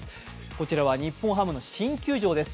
きちらは日本ハムの新球場です。